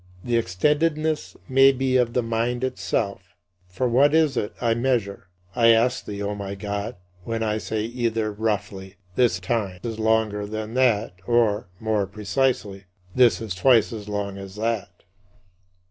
The extendedness may be of the mind itself. For what is it I measure, I ask thee, O my God, when I say either, roughly, "This time is longer than that," or, more precisely, "This is twice as long as that."